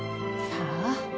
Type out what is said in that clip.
さあ。